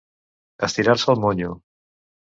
Estirar-se el monyo.